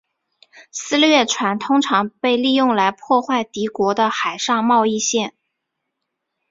私掠船通常被利用来破坏敌国的海上贸易线。